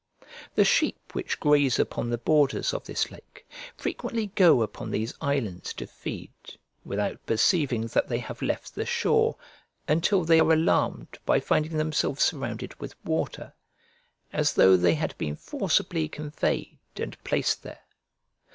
The sheep which graze upon the borders of this lake frequently go upon these islands to feed, without perceiving that they have left the shore, until they are alarmed by finding themselves surrounded with water; as though they had been forcibly conveyed and placed there.